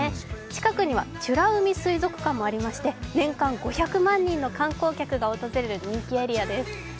近くには、美ら海水族館もありまして、年間５００万人の観光客が訪れる人気エリアです。